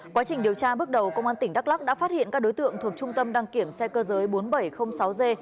quá trình điều tra bước đầu công an tỉnh đắk lắc đã phát hiện các đối tượng thuộc trung tâm đăng kiểm xe cơ giới bốn nghìn bảy trăm linh sáu g